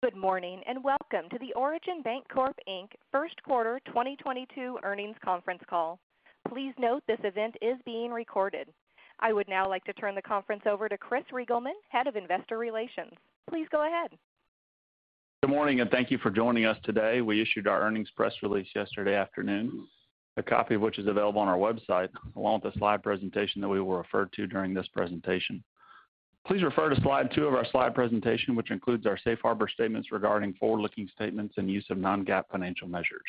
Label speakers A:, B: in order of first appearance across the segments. A: Good morning, and welcome to the Origin Bancorp, Inc. Q12022 Earnings Conference Call. Please note this event is being recorded. I would now like to turn the conference over to Chris Reigelman, Head of Investor Relations. Please go ahead.
B: Good morning, and thank you for joining us today. We issued our earnings press release yesterday afternoon, a copy of which is available on our website, along with the slide presentation that we will refer to during this presentation. Please refer to slide two of our slide presentation, which includes our safe harbor statements regarding forward-looking statements and use of non-GAAP financial measures.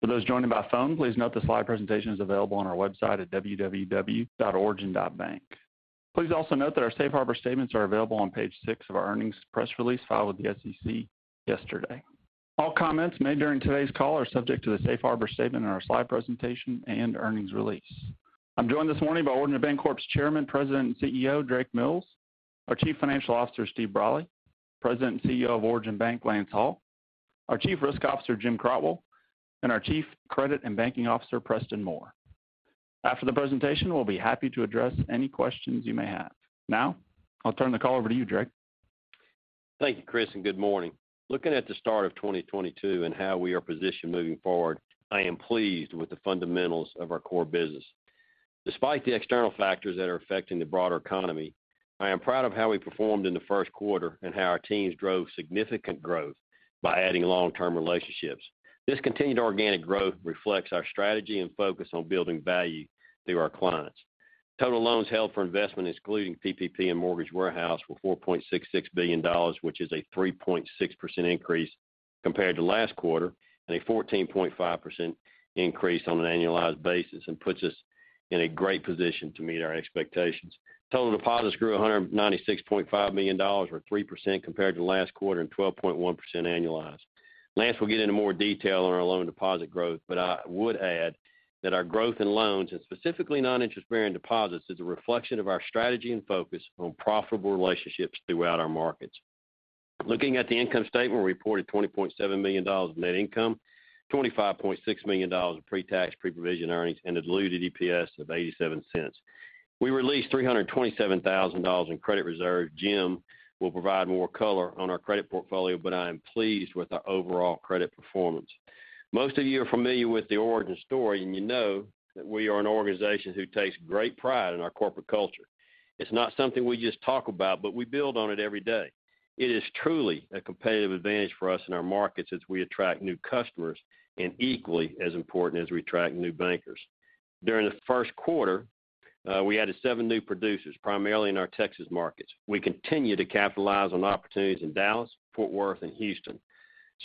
B: For those joining by phone, please note the slide presentation is available on our website at www.origin.bank. Please also note that our safe harbor statements are available on page six of our earnings press release filed with the SEC yesterday. All comments made during today's call are subject to the safe harbor statement in our slide presentation and earnings release. I'm joined this morning by Origin Bancorp's Chairman, President, and CEO, Drake Mills, our Chief Financial Officer, Steve Brawley, President and CEO of Origin Bank, Lance Hall, our Chief Risk Officer, Jim Crotwell, and our Chief Credit and Banking Officer, Preston Moore. After the presentation, we'll be happy to address any questions you may have. Now, I'll turn the call over to you, Drake.
C: Thank you, Chris, and good morning. Looking at the start of 2022 and how we are positioned moving forward, I am pleased with the fundamentals of our core business. Despite the external factors that are affecting the broader economy, I am proud of how we performed in the Q1 and how our teams drove significant growth by adding long-term relationships. This continued organic growth reflects our strategy and focuses on building value through our clients. Total loans held for investment, excluding PPP and mortgage warehouse, were $4.66 billion, which is a 3.6% increase compared to last quarter and a 14.5% increase on an annualized basis and puts us in a great position to meet our expectations. Total deposits grew $196.5 million or 3% compared to last quarter and 12.1% annualized. Lance will get into more detail on our loan deposit growth, but I would add that our growth in loans and specifically noninterest-bearing deposits is a reflection of our strategy and focus on profitable relationships throughout our markets. Looking at the income statement, we reported $20.7 million in net income, $25.6 million in pre-tax, pre-provision earnings, and a diluted EPS of $0.87. We released $327,000 in credit reserve. Jim will provide more color on our credit portfolio, but I am pleased with our overall credit performance. Most of you are familiar with the Origin story, and you know that we are an organization who takes great pride in our corporate culture. It's not something we just talk about, but we build on it every day. It is truly a competitive advantage for us in our markets as we attract new customers and equally as important as we attract new bankers. During the first quarter, we added seven new producers, primarily in our Texas markets. We continue to capitalize on opportunities in Dallas, Fort Worth, and Houston.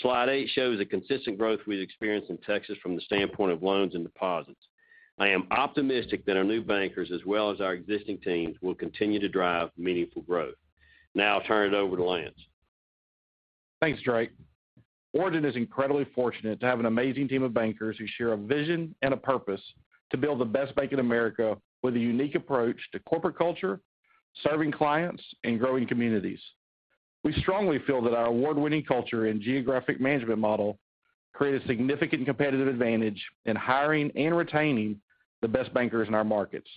C: Slide eight shows the consistent growth we've experienced in Texas from the standpoint of loans and deposits. I am optimistic that our new bankers, as well as our existing teams, will continue to drive meaningful growth. Now I'll turn it over to Lance.
D: Thanks, Drake. Origin is incredibly fortunate to have an amazing team of bankers who share a vision and a purpose to build the best bank in America with a unique approach to corporate culture, serving clients, and growing communities. We strongly feel that our award-winning culture and geographic management model create a significant competitive advantage in hiring and retaining the best bankers in our markets.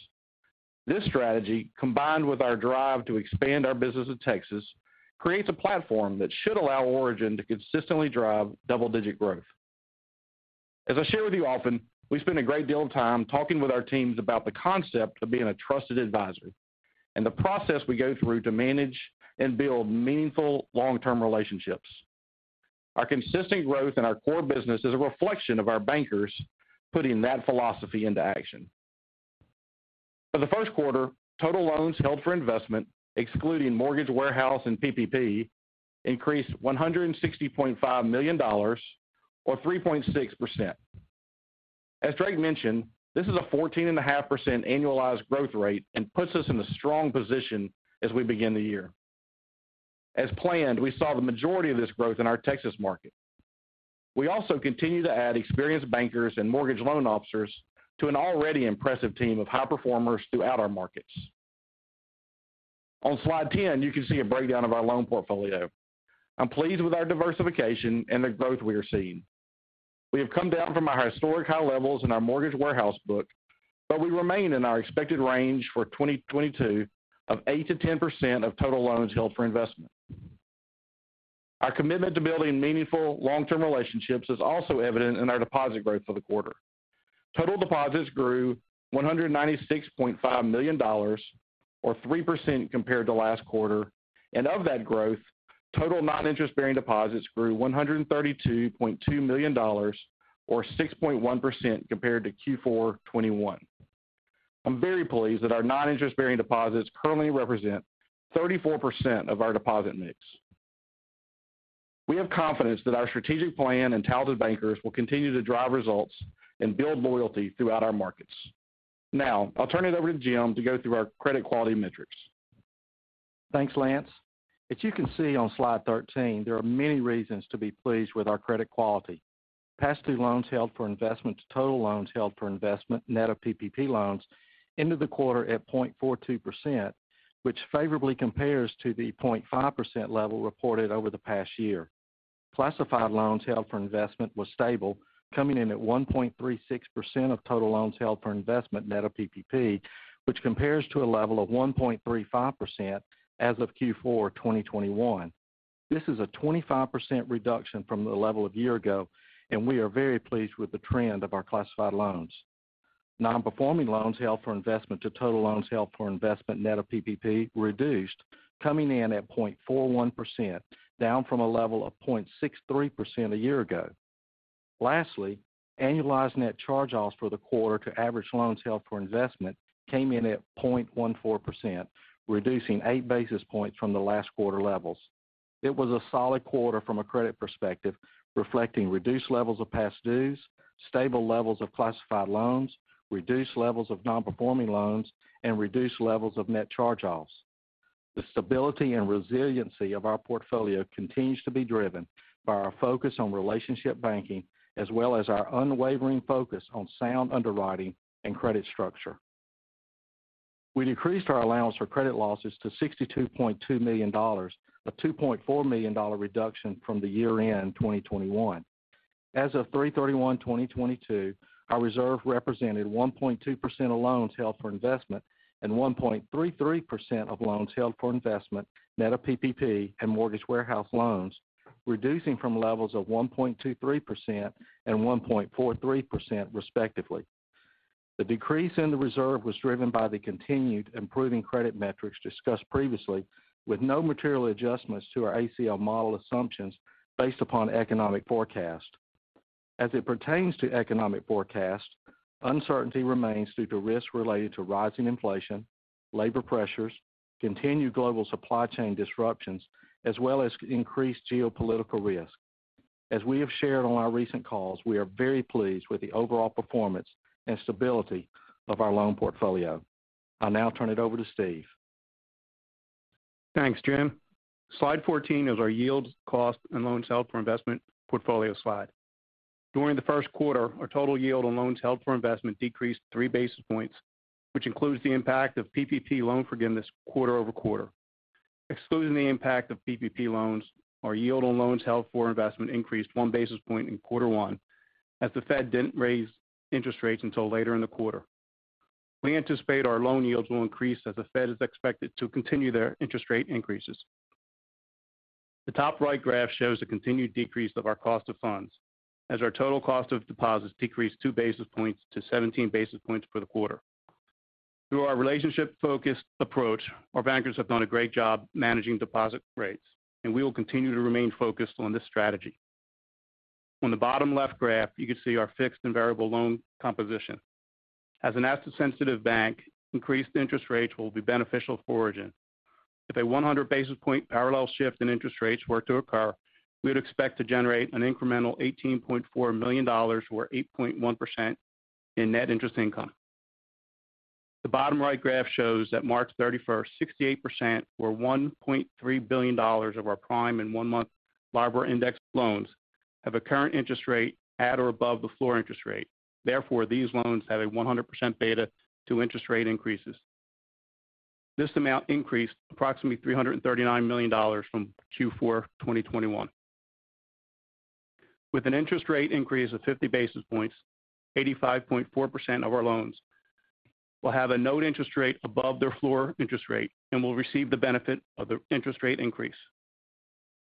D: This strategy, combined with our drive to expand our business in Texas, creates a platform that should allow Origin to consistently drive double-digit growth. As I share with you often, we spend a great deal of time talking with our teams about the concept of being a trusted advisor and the process we go through to manage and build meaningful long-term relationships. Our consistent growth in our core business is a reflection of our bankers putting that philosophy into action. For the Q1, total loans held for investment, excluding mortgage warehouse and PPP, increased $160.5 million or 3.6%. As Drake mentioned, this is a 14.5% annualized growth rate and puts us in a strong position as we begin the year. As planned, we saw the majority of this growth in our Texas market. We also continue to add experienced bankers and mortgage loan officers to an already impressive team of high performers throughout our markets. On slide 10, you can see a breakdown of our loan portfolio. I'm pleased with our diversification and the growth we are seeing. We have come down from our historic high levels in our mortgage warehouse book, but we remain in our expected range for 2022 of 8%-10% of total loans held for investment. Our commitment to building meaningful long-term relationships is also evident in our deposit growth for the quarter. Total deposits grew $196.5 million or 3% compared to last quarter, and of that growth, total noninterest-bearing deposits grew $132.2 million or 6.1% compared to Q4 2021. I'm very pleased that our noninterest-bearing deposits currently represent 34% of our deposit mix. We have confidence that our strategic plan and talented bankers will continue to drive results and build loyalty throughout our markets. Now, I'll turn it over to Jim to go through our credit quality metrics.
E: Thanks, Lance. As you can see on slide 13, there are many reasons to be pleased with our credit quality. Past due loans held for investment to total loans held for investment, net of PPP loans, ended the quarter at 0.42%, which favorably compares to the 0.5% level reported over the past year. Classified loans held for investment was stable, coming in at 1.36% of total loans held for investment net of PPP, which compares to a level of 1.35% as of Q4 2021. This is a 25% reduction from the level of year ago, and we are very pleased with the trend of our classified loans. Non-performing loans held for investment to total loans held for investment net of PPP reduced, coming in at 0.41%, down from a level of 0.63% a year ago. Lastly, annualized net charge-offs for the quarter to average loans held for investment came in at 0.14%, reducing eight basis points from the last quarter levels. It was a solid quarter from a credit perspective, reflecting reduced levels of past dues, stable levels of classified loans, reduced levels of non-performing loans, and reduced levels of net charge-offs. The stability and resiliency of our portfolio continues to be driven by our focus on relationship banking as well as our unwavering focus on sound underwriting and credit structure. We decreased our allowance for credit losses to $62.2 million, a $2.4 million reduction from the year-end 2021. As of 3/31/2022, our reserve represented 1.2% of loans held for investment and 1.33% of loans held for investment net of PPP and mortgage warehouse loans, reducing from levels of 1.23% and 1.43% respectively. The decrease in the reserve was driven by the continued improving credit metrics discussed previously with no material adjustments to our ACL model assumptions based upon economic forecast. As it pertains to economic forecast, uncertainty remains due to risks related to rising inflation, labor pressures, continued global supply chain disruptions, as well as increased geopolitical risk. As we have shared on our recent calls, we are very pleased with the overall performance and stability of our loan portfolio. I'll now turn it over to Steve.
F: Thanks, Jim. Slide 14 is our yields, cost, and loans held for investment portfolio slide. During the first quarter, our total yield on loans held for investment decreased 3 basis points, which includes the impact of PPP loan forgiveness quarter-over-quarter. Excluding the impact of PPP loans, our yield on loans held for investment increased 1 basis point in quarter one as the Fed didn't raise interest rates until later in the quarter. We anticipate our loan yields will increase as the Fed is expected to continue their interest rate increases. The top right graph shows the continued decrease of our cost of funds as our total cost of deposits decreased 2 basis points to 17 basis points for the quarter. Through our relationship focused approach, our bankers have done a great job managing deposit rates, and we will continue to remain focused on this strategy. On the bottom left graph, you can see our fixed and variable loan composition. As an asset-sensitive bank, increased interest rates will be beneficial for Origin. If a 100 basis point parallel shift in interest rates were to occur, we would expect to generate an incremental $18.4 million or 8.1% in net interest income. The bottom right graph shows that March 31, 68% or $1.3 billion of our prime and one-month LIBOR-indexed loans have a current interest rate at or above the floor interest rate. Therefore, these loans have a 100% beta to interest rate increases. This amount increased approximately $339 million from Q4 2021. With an interest rate increase of 50 basis points, 85.4% of our loans will have a note interest rate above their floor interest rate and will receive the benefit of the interest rate increase.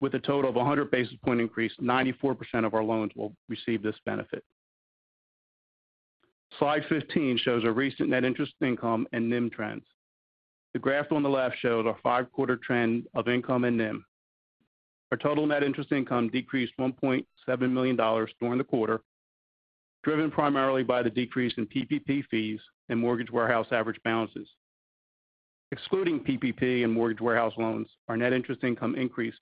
F: With a total of a 100 basis point increase, 94% of our loans will receive this benefit. Slide 15 shows our recent net interest income and NIM trends. The graph on the left shows our five-quarter trend of income and NIM. Our total net interest income decreased $1.7 million during the quarter, driven primarily by the decrease in PPP fees and mortgage warehouse average balances. Excluding PPP and mortgage warehouse loans, our net interest income increased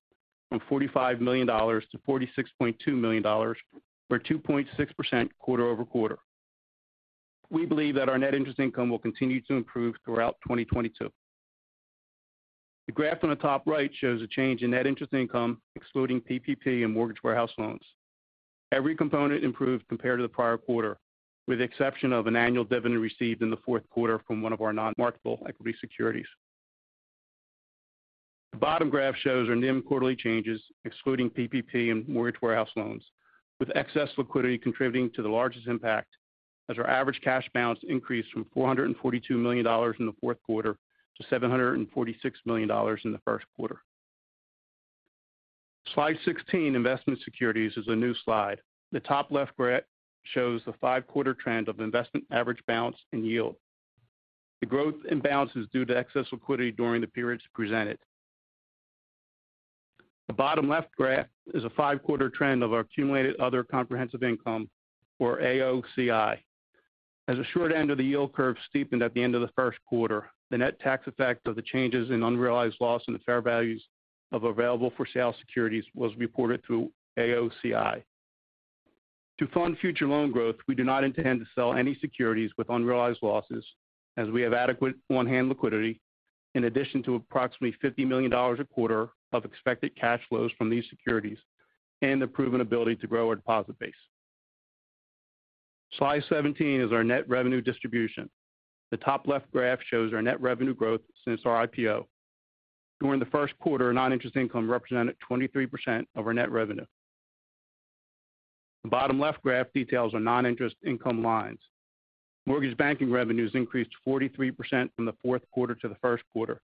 F: from $45 million to $46.2 million, or 2.6% quarter-over-quarter. We believe that our net interest income will continue to improve throughout 2022. The graph on the top right shows the change in net interest income excluding PPP and mortgage warehouse loans. Every component improved compared to the prior quarter, with the exception of an annual dividend received in the Q4 from one of our non-marketable equity securities. The bottom graph shows our NIM quarterly changes excluding PPP and mortgage warehouse loans, with excess liquidity contributing to the largest impact as our average cash balance increased from $442 million in the Q4 to $746 million in the Q1. Slide 16, investment securities, is a new slide. The top left graph shows the five-quarter trend of investment average balance and yield. The growth in balance is due to excess liquidity during the periods presented. The bottom left graph is a five-quarter trend of our accumulated other comprehensive income, or AOCI. As the short end of the yield curve steepened at the end of the Q1, the net tax effect of the changes in unrealized loss and the fair values of available for sale securities was reported through AOCI. To fund future loan growth, we do not intend to sell any securities with unrealized losses, as we have adequate on-hand liquidity in addition to approximately $50 million a quarter of expected cash flows from these securities and a proven ability to grow our deposit base. Slide 17 is our net revenue distribution. The top left graph shows our net revenue growth since our IPO. During the Q1 noninterest income represented 23% of our net revenue. The bottom left graph details our noninterest income lines. Mortgage banking revenues increased 43% from the Q4 to the Q1,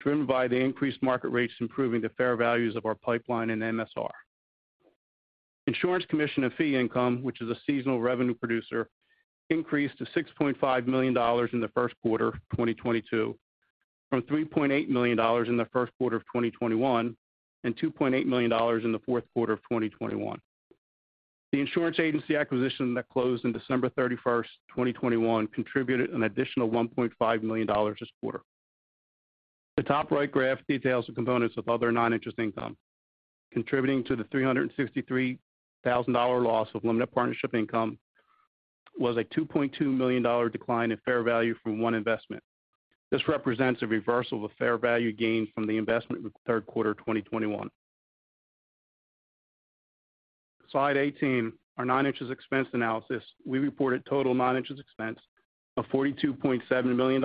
F: driven by the increased market rates improving the fair values of our pipeline and MSR. Insurance commission and fee income, which is a seasonal revenue producer, increased to $6.5 million in the Q1 of 2022 from $3.8 million in theQ1of 2021 and $2.8 million in theQ4of 2021. The insurance agency acquisition that closed on December 31st, 2021, contributed an additional $1.5 million this quarter. The top right graph details the components of other non-interest income. Contributing to the $363,000 loss of limited partnership income was a $2.2 million decline in fair value from one investment. This represents a reversal of a fair value gain from the investment in the Q3 of 2021. Slide 18, our non-interest expense analysis. We reported total non-interest expense of $42.7 million,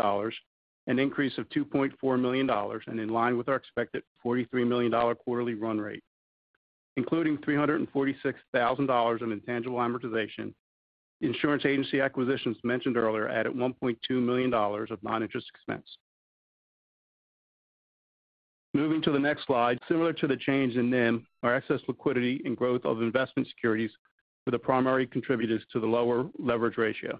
F: an increase of $2.4 million, and in line with our expected $43 million quarterly run rate, including $346,000 of intangible amortization. Insurance agency acquisitions mentioned earlier added $1.2 million of non-interest expense. Moving to the next slide, similar to the change in NIM, our excess liquidity and growth of investment securities were the primary contributors to the lower leverage ratio.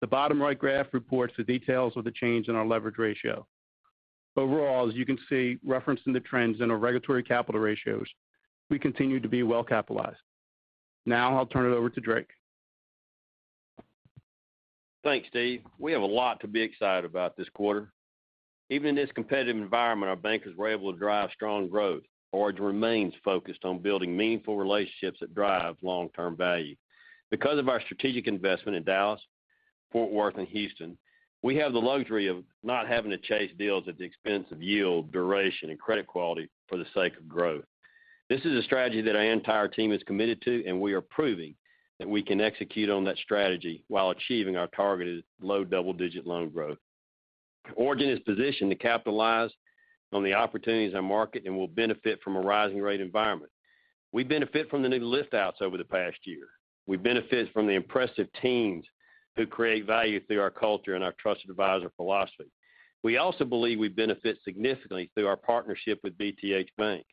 F: The bottom right graph reports the details of the change in our leverage ratio. Overall, as you can see, referencing the trends in our regulatory capital ratios, we continue to be well capitalized. Now, I'll turn it over to Drake.
C: Thanks, Steve. We have a lot to be excited about this quarter. Even in this competitive environment, our bankers were able to drive strong growth. Origin remains focused on building meaningful relationships that drive long-term value. Because of our strategic investment in Dallas, Fort Worth, and Houston, we have the luxury of not having to chase deals at the expense of yield, duration, and credit quality for the sake of growth. This is a strategy that our entire team is committed to, and we are proving that we can execute on that strategy while achieving our targeted low double-digit loan growth. Origin is positioned to capitalize on the opportunities in market and will benefit from a rising rate environment. We benefit from the new lift outs over the past year. We benefit from the impressive teams who create value through our culture and our trusted advisor philosophy. We also believe we benefit significantly through our partnership with BTH Bank.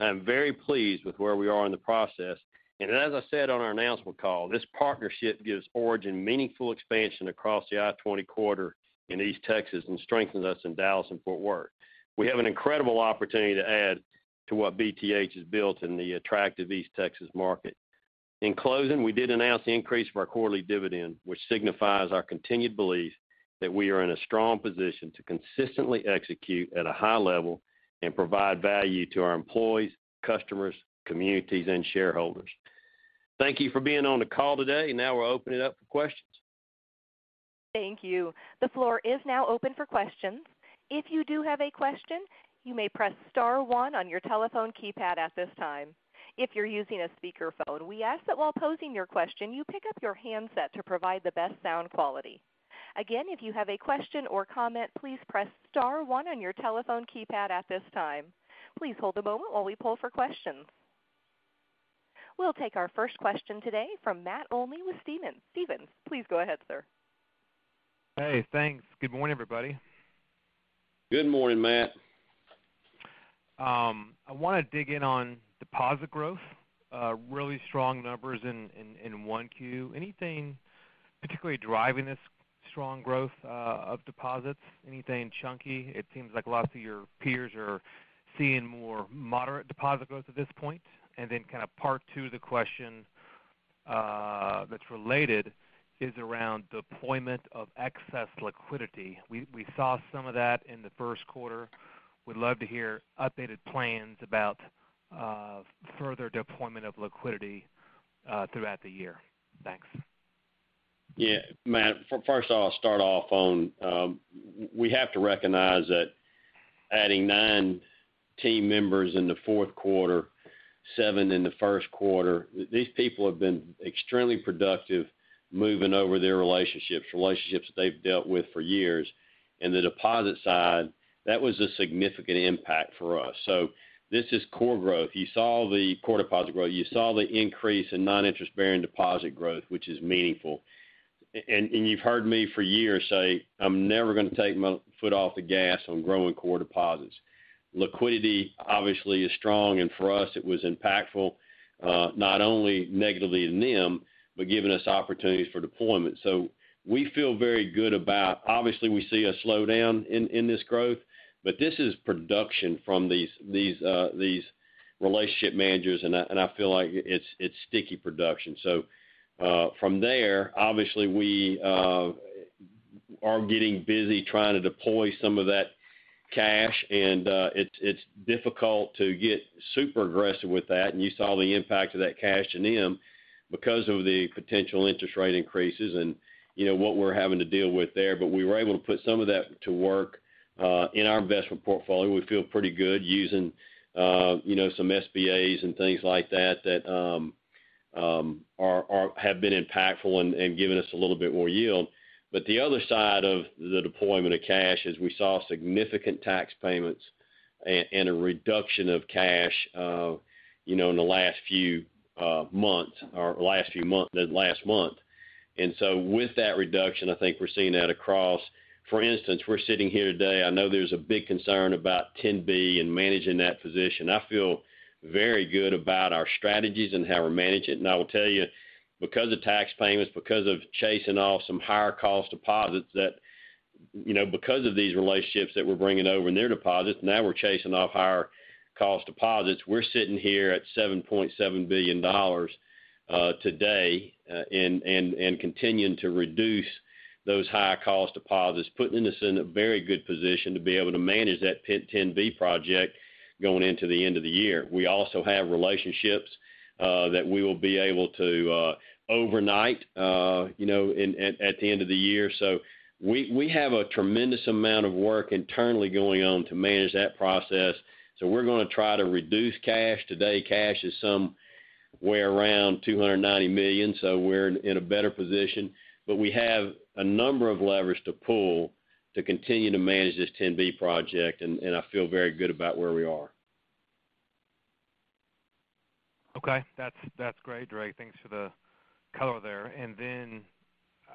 C: I'm very pleased with where we are in the process. As I said on our announcement call, this partnership gives Origin meaningful expansion across the I-20 corridor in East Texas and strengthens us in Dallas and Fort Worth. We have an incredible opportunity to add to what BTH has built in the attractive East Texas market. In closing, we did announce the increase of our quarterly dividend, which signifies our continued belief that we are in a strong position to consistently execute at a high level and provide value to our employees, customers, communities, and shareholders. Thank you for being on the call today. Now we'll open it up for questions.
A: Thank you. The floor is now open for questions. If you do have a question, you may press star one on your telephone keypad at this time. If you're using a speakerphone, we ask that while posing your question, you pick up your handset to provide the best sound quality. Again, if you have a question or comment, please press star one on your telephone keypad at this time. Please hold a moment while we poll for questions. We'll take our first question today from Matt Olney with Stephens. Stephens, please go ahead, sir.
G: Hey, thanks. Good morning, everybody.
C: Good morning, Matt.
G: I want to dig in on deposit growth, really strong numbers in 1Q. Anything particularly driving this strong growth of deposits? Anything chunky? It seems like a lot of your peers are seeing more moderate deposit growth at this point. Kind of part two of the question, that's related, is around deployment of excess liquidity. We saw some of that in the Q1. We'd love to hear updated plans about further deployment of liquidity throughout the year. Thanks.
C: Yeah, Matt, first I'll start off on we have to recognize that adding nine team members in the Q4, seven in the Q1, these people have been extremely productive moving over their relationships they've dealt with for years. In the deposit side, that was a significant impact for us. This is core growth. You saw the core deposit growth. You saw the increase in noninterest-bearing deposit growth, which is meaningful. And you've heard me for years say, I'm never going to take my foot off the gas on growing core deposits. Liquidity obviously is strong, and for us it was impactful, not only negatively in NIM, but giving us opportunities for deployment. We feel very good about obviously we see a slowdown in this growth, but this is production from these relationship managers, and I feel like it's sticky production. From there, obviously we are getting busy trying to deploy some of that cash, and it's difficult to get super aggressive with that. You saw the impact of that cash to NIM because of the potential interest rate increases and, you know, what we're having to deal with there. We were able to put some of that to work in our investment portfolio. We feel pretty good using, you know, some SBAs and things like that that have been impactful and given us a little bit more yield. The other side of the deployment of cash is we saw significant tax payments and a reduction of cash, you know, in the last few months or the last month. With that reduction, I think we're seeing that across. For instance, we're sitting here today, I know there's a big concern about $10 billion and managing that position. I feel very good about our strategies and how we manage it. I will tell you, because of tax payments, because of chasing off some higher cost deposits that, you know, because of these relationships that we're bringing over in their deposits, now we're chasing off higher cost deposits. We're sitting here at $7.7 billion today, and continuing to reduce those higher cost deposits, putting us in a very good position to be able to manage that $10 billion project going into the end of the year. We also have relationships that we will be able to overnight, you know, at the end of the year. We have a tremendous amount of work internally going on to manage that process. We're going to try to reduce cash. Today, cash is somewhere around $290 million, so we're in a better position. We have a number of levers to pull to continue to manage this $10 billion project, and I feel very good about where we are.
G: Okay. That's great, Drake. Thanks for the color there. Then,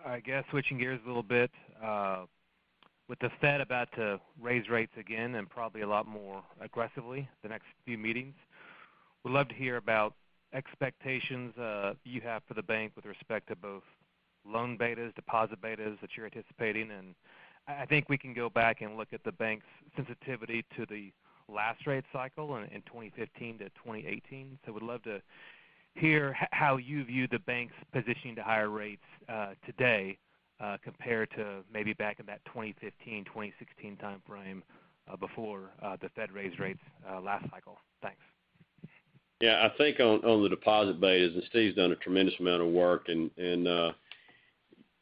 G: I guess switching gears a little bit, with the Fed about to raise rates again and probably a lot more aggressively the next few meetings, would love to hear about expectations you have for the bank with respect to both loan betas, deposit betas that you're anticipating. I think we can go back and look at the bank's sensitivity to the last rate cycle in 2015-2018. Would love to hear how you view the bank's positioning to higher rates today compared to maybe back in that 2015, 2016 timeframe before the Fed raised rates last cycle. Thanks.
C: Yeah. I think on the deposit betas, and Steve's done a tremendous amount of work in,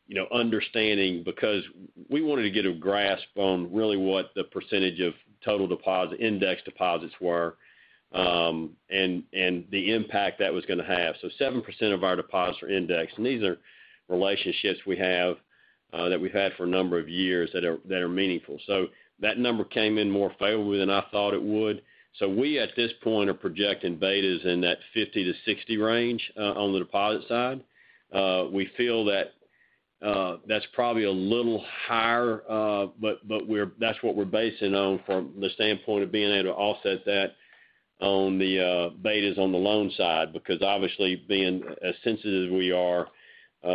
C: you know, understanding because we wanted to get a grasp on really what the percentage of total deposit indexed deposits were, and the impact that was going to have. 7% of our deposits are indexed, and these are relationships we have that we've had for a number of years that are meaningful. That number came in more favorably than I thought it would. We, at this point, are projecting betas in that 50%-60% range on the deposit side. We feel that that's probably a little higher, but that's what we're basing on from the standpoint of being able to offset that on the betas on the loan side, because obviously, being as sensitive as we are,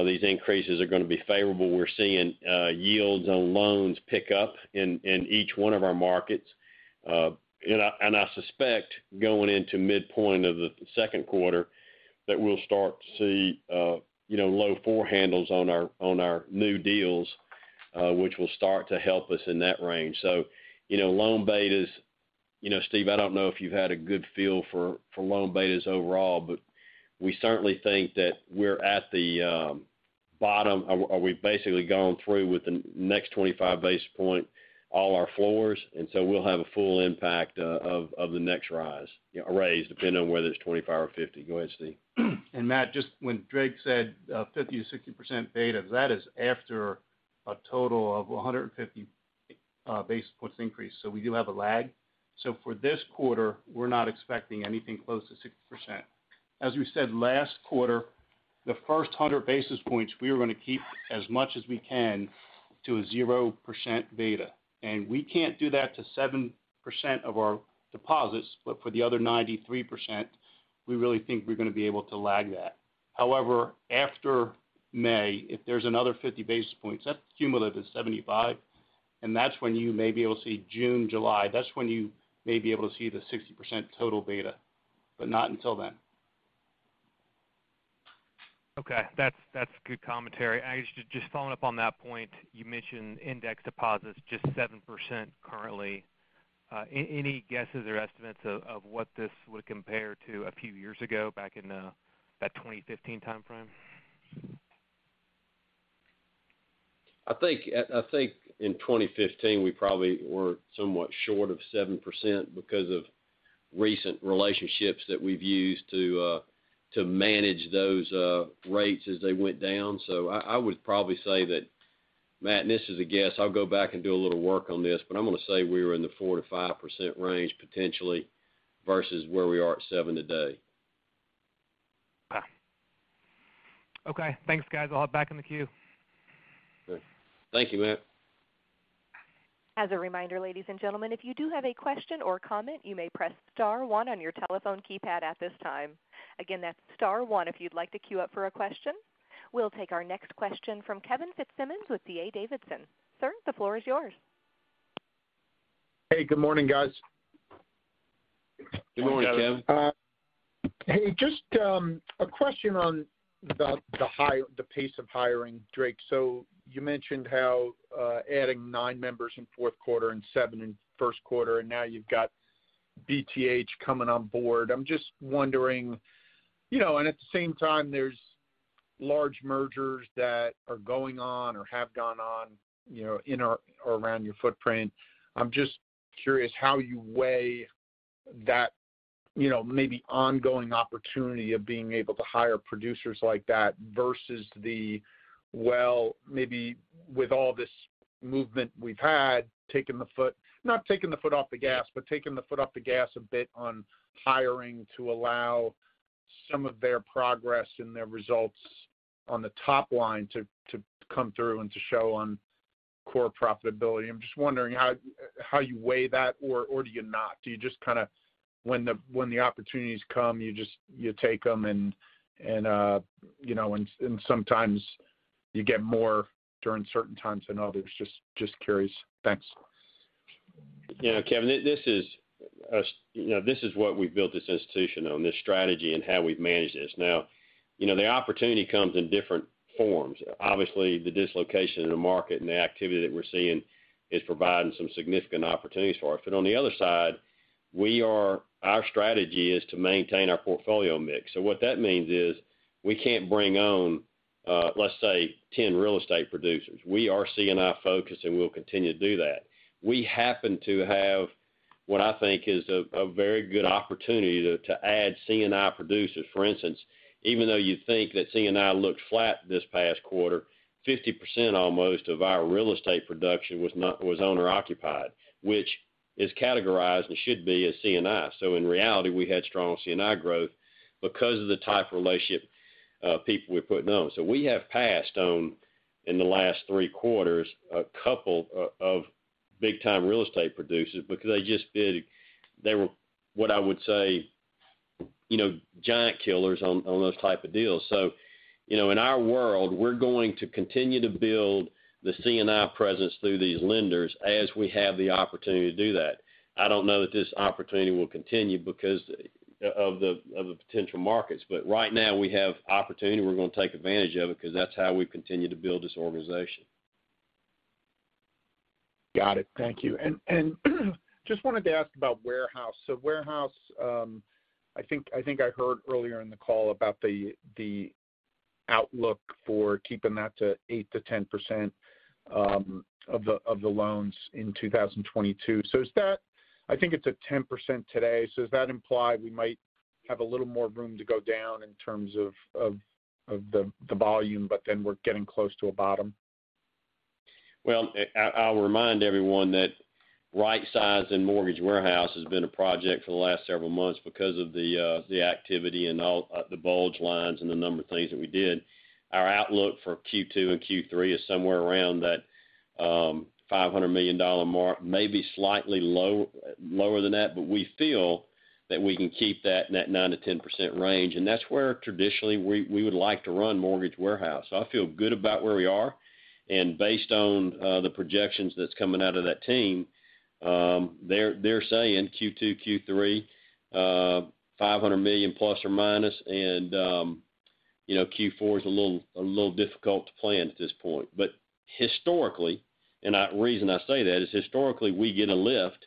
C: these increases are going to be favorable. We're seeing yields on loans pick up in each one of our markets. I suspect going into midpoint of the second quarter, that we'll start to see, you know, low four handles on our new deals, which will start to help us in that range. You know, loan betas, you know, Steve, I don't know if you've had a good feel for loan betas overall, but we certainly think that we're at the bottom, or we've basically gone through with the next 25 basis point all our floors, and so we'll have a full impact of the next rise, a raise, depending on whether it's 25 or 50. Go ahead, Steve.
F: Matt, just when Drake said, 50%-60% beta, that is after a total of 150 basis points increase. We do have a lag. For this quarter, we're not expecting anything close to 60%. As we said last quarter, the first 100 basis points, we are going to keep as much as we can to a 0% beta. We can't do that to 7% of our deposits, but for the other 93%, we really think we're going to be able to lag that. However, after May, if there's another 50 basis points, that's cumulative, it's 75, and that's when you may be able to see June, July. That's when you may be able to see the 60% total beta, but not until then.
G: Okay. That's good commentary. I just following up on that point, you mentioned indexed deposits just 7% currently. Any guesses or estimates of what this would compare to a few years ago back in that 2015 timeframe?
C: I think in 2015, we probably were somewhat short of 7% because of recent relationships that we've used to manage those rates as they went down. I would probably say that, Matt, and this is a guess. I'll go back and do a little work on this, but I'm going to say we were in the 4%-5% range potentially versus where we are at 7% today.
G: Okay. Thanks, guys. I'll hop back in the queue.
C: Good. Thank you, Matt.
A: As a reminder, ladies and gentlemen, if you do have a question or comment, you may press star one on your telephone keypad at this time. Again, that's star one if you'd like to queue up for a question. We'll take our next question from Kevin Fitzsimmons with D.A. Davidson. Sir, the floor is yours.
H: Hey, good morning, guys.
C: Good morning, Kevin.
F: Good morning, Kevin.
H: Hey, just a question on the pace of hiring, Drake. You mentioned how adding nine members in fourth quarter and seven in Q1, and now you've got BTH coming on board. I'm just wondering, you know, and at the same time, there's large mergers that are going on or have gone on, you know, in or around your footprint. I'm just curious how you weigh that, you know, maybe ongoing opportunity of being able to hire producers like that versus the, well, maybe with all this movement we've had, not taking the foot off the gas, but taking the foot off the gas a bit on hiring to allow some of their progress and their results on the top line to come through and to show on core profitability. I'm just wondering how you weigh that, or do you not? Do you just kinda, when the opportunities come, you just take them and you know and sometimes you get more during certain times than others. Just curious. Thanks.
C: Yeah, Kevin, this is us. You know, this is what we've built this institution on, this strategy and how we've managed this. Now, you know, the opportunity comes in different forms. Obviously, the dislocation in the market and the activity that we're seeing is providing some significant opportunities for us. On the other side, our strategy is to maintain our portfolio mix. What that means is, we can't bring on, let's say, 10 real estate producers. We are C&I focused, and we'll continue to do that. We happen to have what I think is a very good opportunity to add C&I producers. For instance, even though you think that C&I looked flat this past quarter, 50% almost of our real estate production was owner occupied, which is categorized, and should be, as C&I. In reality, we had strong C&I growth because of the type of relationship people we're putting on. We have passed on, in the last three quarters, a couple of big-time real estate producers because they were, what I would say, you know, giant killers on those type of deals. You know, in our world, we're going to continue to build the C&I presence through these lenders as we have the opportunity to do that. I don't know that this opportunity will continue because of the potential markets. Right now, we have opportunity, we're going to take advantage of it because that's how we continue to build this organization.
H: Got it. Thank you. Just wanted to ask about warehouse. Warehouse, I think I heard earlier in the call about the outlook for keeping that to 8%-10% of the loans in 2022. Is that? I think it's at 10% today. Does that imply we might have a little more room to go down in terms of the volume, but then we're getting close to a bottom?
C: I'll remind everyone that right-sizing mortgage warehouse has been a project for the last several months because of the activity and all the bulge lines and the number of things that we did. Our outlook for Q2 and Q3 is somewhere around that $500 million mark, maybe slightly lower than that. But we feel that we can keep that in that 9%-10% range, and that's where traditionally we would like to run mortgage warehouse. I feel good about where we are. Based on the projections that's coming out of that team, they're saying Q2, Q3, $500 million plus or minus. You know, Q4 is a little difficult to plan at this point. Historically, the reason I say that is historically, we get a lift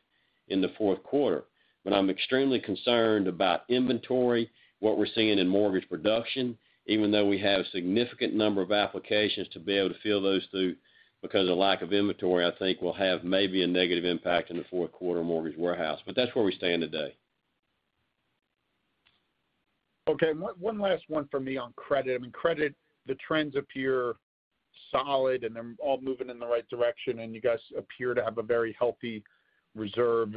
C: in the fourth quarter. I'm extremely concerned about inventory, what we're seeing in mortgage production, even though we have significant number of applications to be able to fill those through because of lack of inventory, I think will have maybe a negative impact in the fourth quarter mortgage warehouse. That's where we stand today.
H: Okay. One last one for me on credit. I mean, credit, the trends appear solid, and they're all moving in the right direction, and you guys appear to have a very healthy reserve,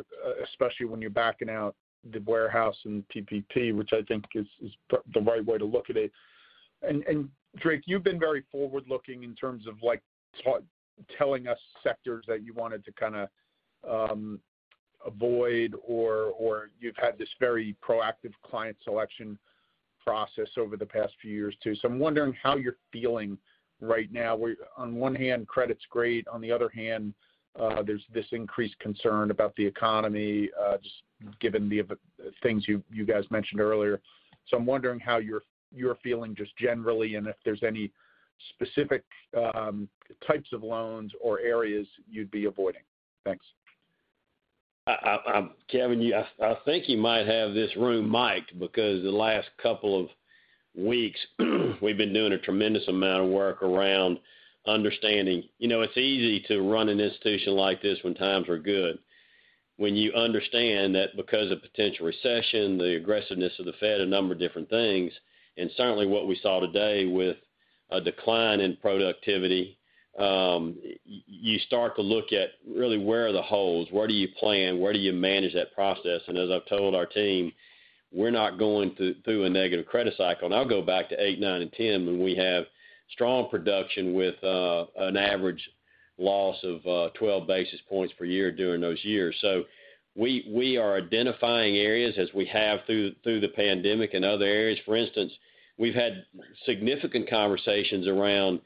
H: especially when you're backing out the warehouse and the PPP, which I think is the right way to look at it. And Drake, you've been very forward-looking in terms of like, telling us sectors that you wanted to kinda avoid or you've had this very proactive client selection process over the past few years too. I'm wondering how you're feeling right now, where on one hand, credit's great, on the other hand, there's this increased concern about the economy, just given the things you guys mentioned earlier. I'm wondering how you're feeling just generally, and if there's any specific types of loans or areas you'd be avoiding. Thanks.
C: Kevin, I think you might have this room mic'd because the last couple of weeks, we've been doing a tremendous amount of work around understanding. You know, it's easy to run an institution like this when times are good. When you understand that because of potential recession, the aggressiveness of the Fed, a number of different things, and certainly what we saw today with a decline in productivity, you start to look at really where are the holes, where do you plan, where do you manage that process. As I've told our team, we're not going through a negative credit cycle, and I'll go back to 2008, 2009, and 2010 when we have strong production with an average loss of 12 basis points per year during those years. We are identifying areas as we have through the pandemic and other areas. For instance, we've had significant conversations around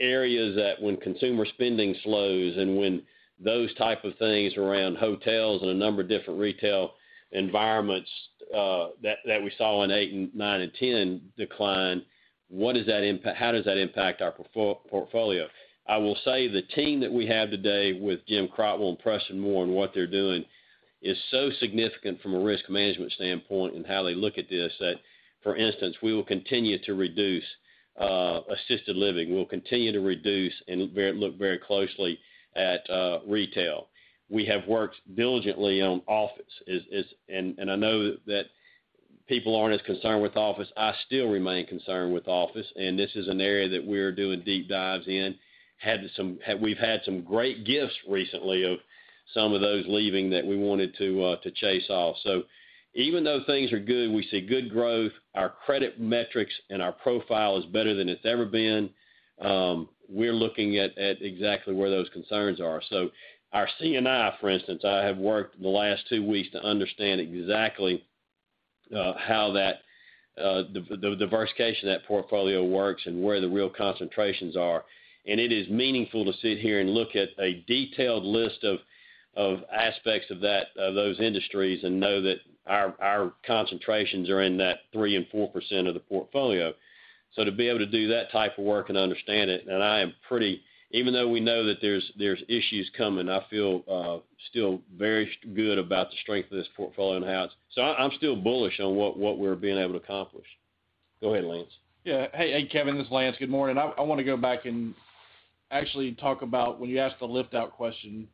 C: areas that when consumer spending slows and when those type of things around hotels and a number of different retail environments, that we saw in 2008 and 2009 and 2010 decline, how does that impact our portfolio? I will say the team that we have today with Jim Crotwell and Preston Moore and what they're doing is so significant from a risk management standpoint and how they look at this, that for instance, we will continue to reduce assisted living. We'll continue to reduce and look very closely at retail. We have worked diligently on office. I know that people aren't as concerned with office. I still remain concerned with office, and this is an area that we're doing deep dives in. We've had some charge-offs recently of some of those leaving that we wanted to charge off. Even though things are good, we see good growth, our credit metrics and our profile is better than it's ever been, we're looking at exactly where those concerns are. Our C&I, for instance, I have worked the last two weeks to understand exactly how the diversification of that portfolio works and where the real concentrations are. It is meaningful to sit here and look at a detailed list of aspects of those industries and know that our concentrations are in that 3% and 4% of the portfolio. To be able to do that type of work and understand it, and I am pretty even though we know that there's issues coming, I feel still very good about the strength of this portfolio in house. I'm still bullish on what we're being able to accomplish. Go ahead, Lance.
D: Yeah. Hey, Kevin, this is Lance. Good morning. I want to go back and actually talk about when you asked the lift out question.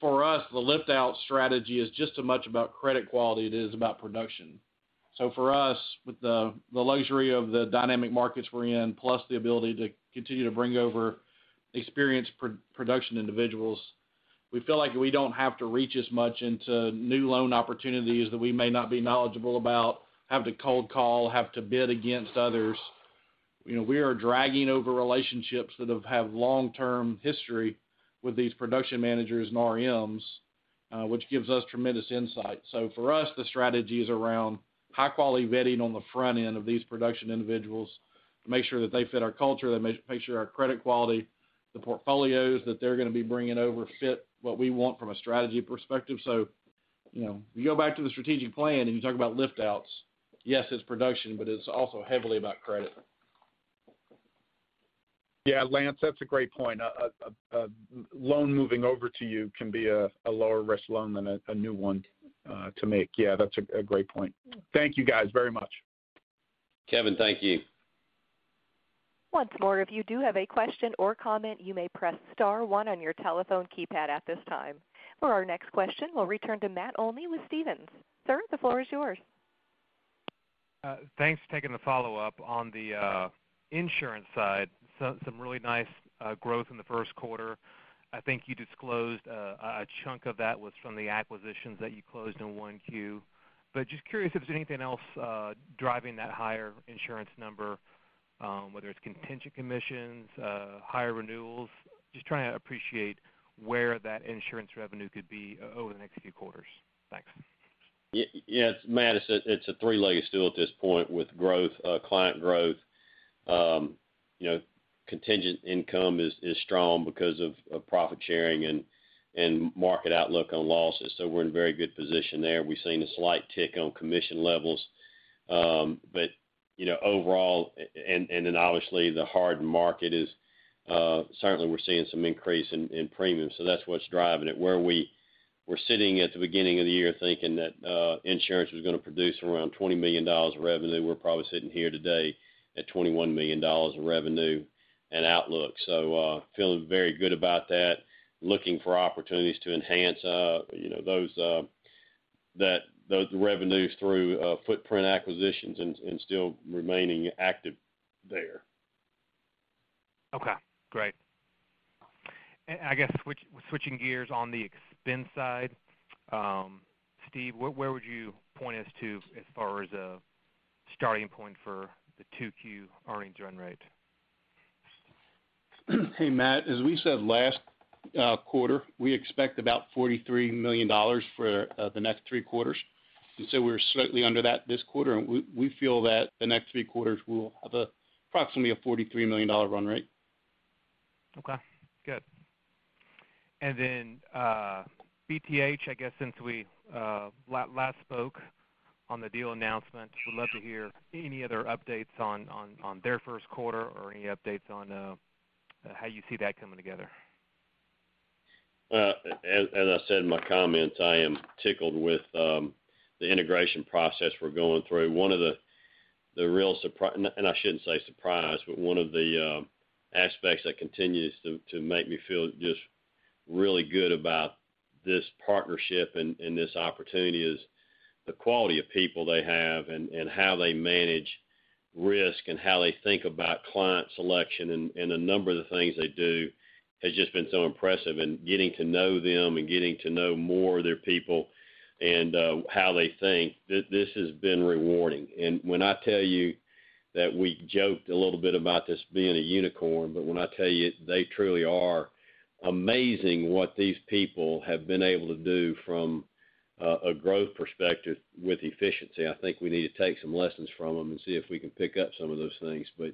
D: For us, the lift out strategy is just so much about credit quality, it is about production. For us, with the luxury of the dynamic markets we're in, plus the ability to continue to bring over experienced pro-production individuals, we feel like we don't have to reach as much into new loan opportunities that we may not be knowledgeable about, have to cold call, have to bid against others. You know, we are dragging over relationships that have long-term history with these production managers and RMs, which gives us tremendous insight. For us, the strategy is around high quality vetting on the front end of these production individuals to make sure that they fit our culture, to make sure our credit quality, the portfolios that they're going to be bringing over fit what we want from a strategy perspective. You know, if you go back to the strategic plan, and you talk about lift outs, yes, it's production, but it's also heavily about credit.
H: Yeah, Lance, that's a great point. A loan moving over to you can be a lower risk loan than a new one to make. Yeah, that's a great point. Thank you guys very much.
C: Kevin, thank you.
A: Once more, if you do have a question or comment, you may press star one on your telephone keypad at this time. For our next question, we'll return to Matt Olney with Stephens. Sir, the floor is yours.
G: Thanks for taking the follow-up. On the insurance side, some really nice growth in the Q1. I think you disclosed a chunk of that was from the acquisitions that you closed in 1Q. Just curious if there's anything else driving that higher insurance number, whether it's contingent commissions, higher renewals, just trying to appreciate where that insurance revenue could be over the next few quarters. Thanks.
C: Yes, Matt, it's a three-legged stool at this point with growth, client growth. You know, contingent income is strong because of profit sharing and market outlook on losses. We're in very good position there. We've seen a slight tick on commission levels. But, you know, overall, and then obviously the hard market is certainly we're seeing some increase in premiums. That's what's driving it. Where we were sitting at the beginning of the year thinking that insurance was going to produce around $20 million of revenue, we're probably sitting here today at $21 million in revenue and outlook. Feeling very good about that, looking for opportunities to enhance, you know, those revenues through footprint acquisitions and still remaining active there.
G: Okay, great. I guess switching gears on the expense side, Steve, where would you point us to as far as a starting point for the 2Q earnings run rate?
F: Hey, Matt, as we said last quarter, we expect about $43 million for the next three quarters. We're slightly under that this quarter, and we feel that the next three quarters will have approximately a $43 million run rate.
G: Okay, good. BTH, I guess since we last spoke on the deal announcement, would love to hear any other updates on their Q1 or any updates on how you see that coming together.
C: As I said in my comments, I am tickled with the integration process we're going through. I shouldn't say surprise, but one of the aspects that continues to make me feel just really good about this partnership and this opportunity is the quality of people they have and how they manage risk and how they think about client selection and a number of the things they do has just been so impressive. Getting to know them and getting to know more of their people and how they think, this has been rewarding. When I tell you that we joked a little bit about this being a unicorn, but when I tell you they truly are amazing what these people have been able to do from a growth perspective with efficiency, I think we need to take some lessons from them and see if we can pick up some of those things. But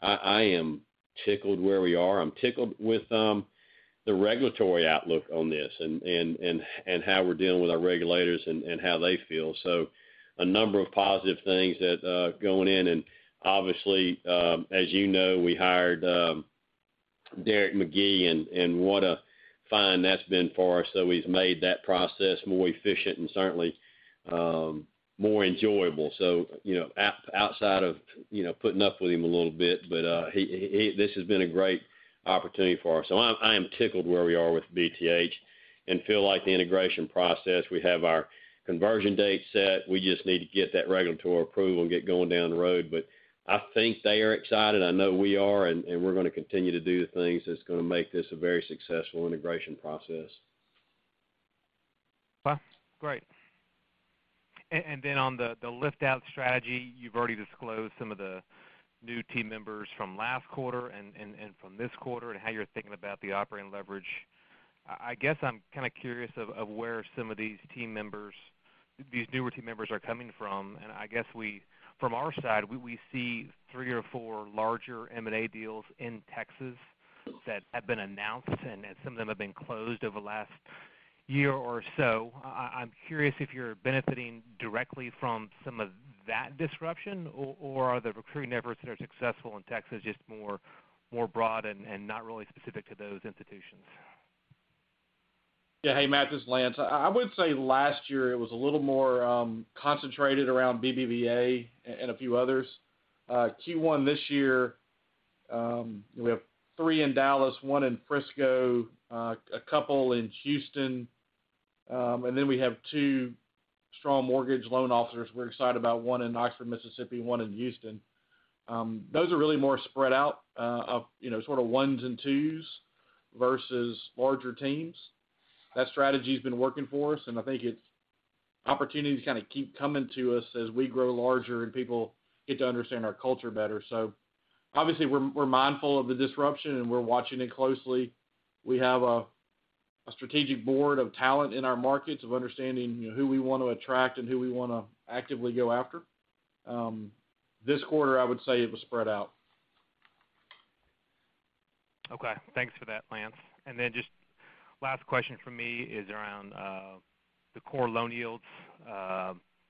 C: I am tickled where we are. I'm tickled with the regulatory outlook on this and how we're dealing with our regulators and how they feel. So a number of positive things going in and obviously, as you know, we hired Derek McGee, and what a find that's been for us. So he's made that process more efficient and certainly more enjoyable. You know, outside of, you know, putting up with him a little bit, but this has been a great opportunity for us. I am tickled where we are with BTH and feel like the integration process, we have our conversion date set. We just need to get that regulatory approval and get going down the road. I think they are excited. I know we are, and we're going to continue to do the things that's going to make this a very successful integration process.
G: Well, great. Then on the lift-out strategy, you've already disclosed some of the new team members from last quarter and from this quarter and how you're thinking about the operating leverage. I guess I'm kind of curious of where some of these team members, these newer team members are coming from. I guess from our side, we see three or four larger M&A deals in Texas that have been announced, and some of them have been closed over the last year or so. I'm curious if you're benefiting directly from some of that disruption or are the recruiting efforts that are successful in Texas just more broad and not really specific to those institutions?
D: Yeah. Hey, Matt, this is Lance. I would say last year it was a little more concentrated around BBVA and a few others. Q1 this year, we have 3 in Dallas, 1 in Frisco, a couple in Houston, and then we have 2 strong mortgage loan officers we're excited about, 1 in Oxford, Mississippi, 1 in Houston. Those are really more spread out, you know, sort of ones and twos versus larger teams. That strategy's been working for us, and I think it's opportunities kind of keep coming to us as we grow larger and people get to understand our culture better. Obviously, we're mindful of the disruption, and we're watching it closely.
C: We have a strategic board of talent in our markets of understanding, you know, who we want to attract and who we want to actively go after. This quarter, I would say it was spread out.
G: Okay. Thanks for that, Lance. Just last question from me is around the core loan yields.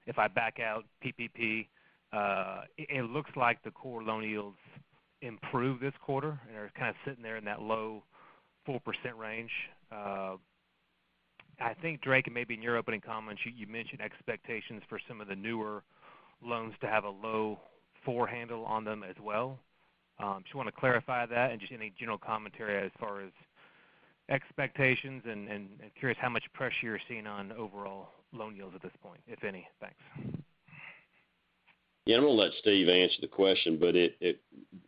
G: If I back out PPP, it looks like the core loan yields improved this quarter, and they're kind of sitting there in that low 4% range. I think, Drake, and maybe in your opening comments, you mentioned expectations for some of the newer loans to have a low 4 handle on them as well. Just want to clarify that and just any general commentary as far as expectations and curious how much pressure you're seeing on overall loan yields at this point, if any. Thanks.
C: Yeah. I'm going to let Steve answer the question, but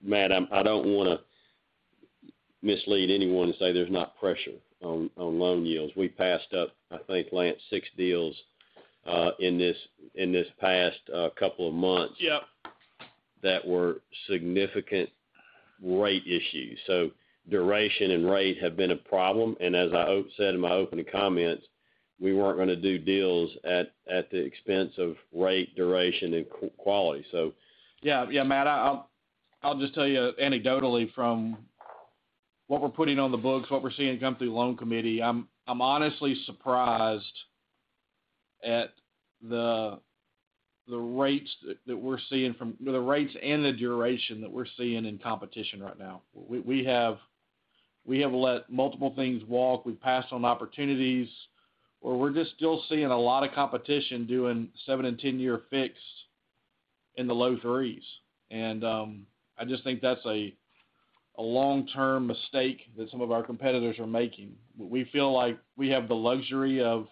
C: Matt, I don't want to mislead anyone and say there's not pressure on loan yields. We passed up, I think, Lance, six deals in this past couple of months.
D: Yep
C: that were significant rate issues. Duration and rate have been a problem, and as I said in my opening comments, we weren't going to do deals at the expense of rate, duration, and quality.
D: Yeah, Matt, I'll just tell you anecdotally from what we're putting on the books, what we're seeing come through loan committee. I'm honestly surprised at the rates that we're seeing. The rates and the duration that we're seeing in competition right now. We have let multiple things walk. We've passed on opportunities where we're just still seeing a lot of competition doing 7- and 10-year fixed in the low 3s. I just think that's a long-term mistake that some of our competitors are making. We feel like we have the luxury of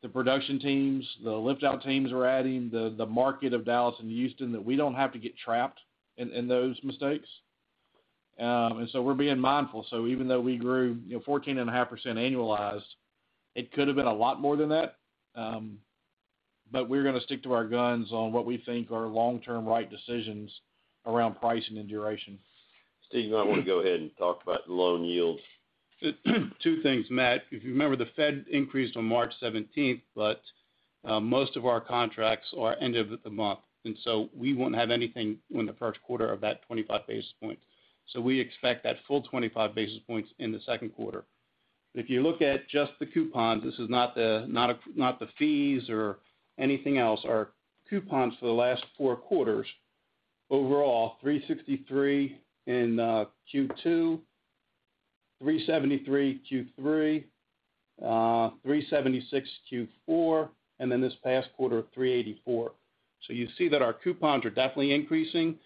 D: the production teams, the lift out teams we're adding, the market of Dallas and Houston, that we don't have to get trapped in those mistakes. We're being mindful. Even though we grew, you know, 14.5% annualized, it could have been a lot more than that. We're going to stick to our guns on what we think are long-term right decisions around pricing and duration.
C: Steve, you might want to go ahead and talk about the loan yields.
F: Two things, Matt. If you remember, the Fed increased on March seventeenth, but most of our contracts are end of the month, and so we won't have anything in the Q1of that 25 basis points. So we expect that full 25 basis points in the Q1. If you look at just the coupons, this is not the not the fees or anything else. Our coupons for the last four quarters, overall, 363 in Q2, 373, Q3, 376, Q4, and then this past quarter, 384. So, you see that our coupons are definitely increasing.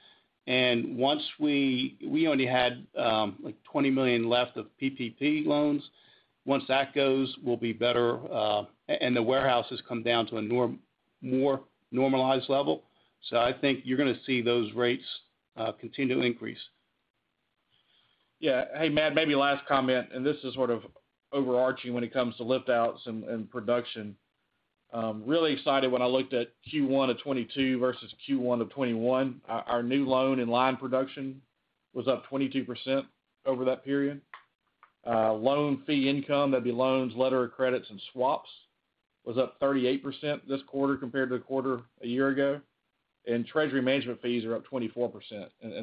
F: Once we only had $20 million left of PPP loans. Once that goes, we'll be better, and the warehouse has come down to a more normalized level. So I think you're going to see those rates continue to increase.
D: Yeah. Hey, Matt, maybe last comment, and this is sort of overarching when it comes to lift outs and production. Really excited when I looked at Q1 of 2022 versus Q1 of 2021. Our new loan in line production was up 22% over that period. Loan fee income, that'd be loans, letters of credit, and swaps, was up 38% this quarter compared to the quarter a year ago. Treasury management fees are up 24%.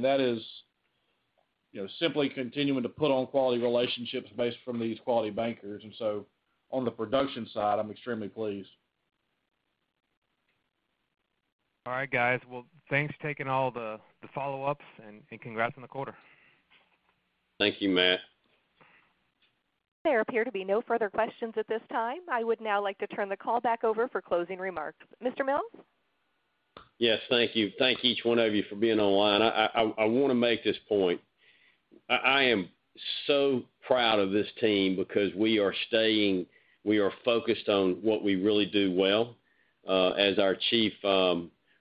D: That is, you know, simply continuing to put on quality relationships based on these quality bankers. On the production side, I'm extremely pleased.
G: All right, guys. Well, thanks for taking all the follow-ups and congrats on the quarter.
C: Thank you, Matt.
A: There appear to be no further questions at this time. I would now like to turn the call back over for closing remarks. Mr. Mills?
C: Yes, thank you. Thank each one of you for being online. I want to make this point. I am so proud of this team because we are staying, we are focused on what we really do well. As our Chief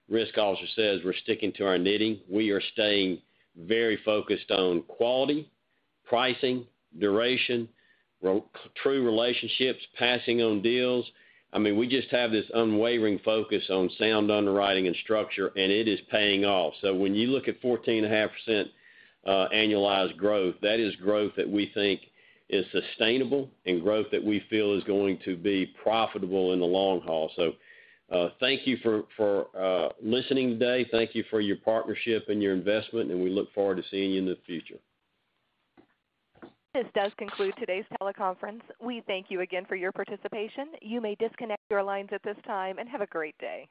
C: Risk Officer says, we're sticking to our knitting. We are staying very focused on quality, pricing, duration, true relationships, passing on deals. I mean, we just have this unwavering focus on sound underwriting and structure, and it is paying off. When you look at 14.5% annualized growth, that is growth that we think is sustainable and growth that we feel is going to be profitable in the long haul. Thank you for listening today. Thank you for your partnership and your investment, and we look forward to seeing you in the future.
A: This does conclude today's teleconference. We thank you again for your participation. You may disconnect your lines at this time, and have a great day.